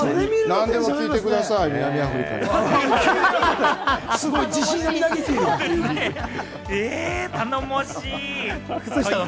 何でも聞いてください、南アフリカのことは。